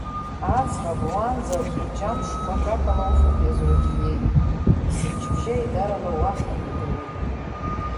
Аӡӷаб уан заҵә лџьамшқәа акакала уфатә иазурхеит, есымчыбжьа еидарала уахан иугауеит.